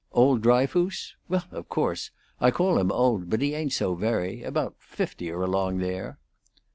"Old Dryfoos? Well, of course! I call him old, but he ain't so very. About fifty, or along there."